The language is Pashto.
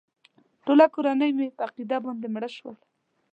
ټوله کورنۍ مې پر عقیده باندې مړه شول.